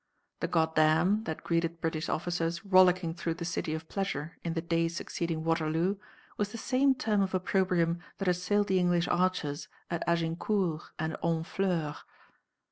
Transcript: The "Goddam" that greeted British officers rollicking through the city of pleasure in the days succeeding Waterloo was the same term of opprobrium that assailed the English archers at Agincourt and Honfleur.